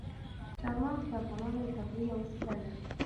چار مغز د افغانانو د تفریح یوه وسیله ده.